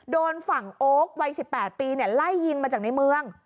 โดนฝั่งโอ๊ควัยสิบแปดปีเนี่ยไล่ยิงมาจากในเมือง